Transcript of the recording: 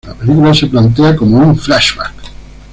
La película se plantea como un flashback.